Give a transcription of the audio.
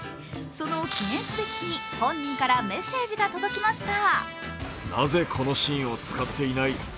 その記念すべき日に本人からメッセージが届きました。